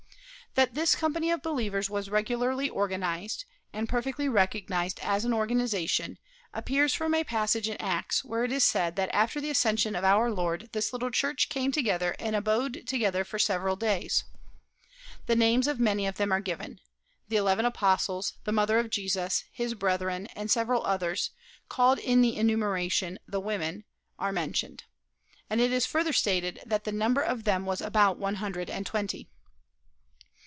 That this company of believers was regularly organized, and perfectly recognized as an organization, appears from a passage in Acts, where it is said that after the ascension of our Lord this little church came together and abode together for several days. The names of many of them are given the eleven Apostles, the mother of Jesus, his brethren, and several others, called in the enumeration "the women," are mentioned, and it is further stated that "the number of them was about one hundred and twenty."